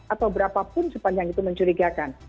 atau berapapun sepanjang itu mencurigakan